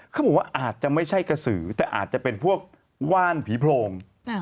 เขาบอกว่าอาจจะไม่ใช่กระสือแต่อาจจะเป็นพวกว่านผีโพรง